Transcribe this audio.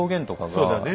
そうだね。